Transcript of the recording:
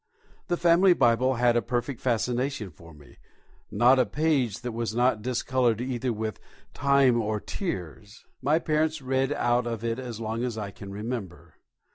The family Bible held a perfect fascination for me, not a page that was not discoloured either with time or tears. My parents read out of it as long as I can remember.